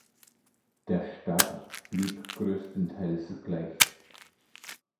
Der Stab blieb größtenteils gleich.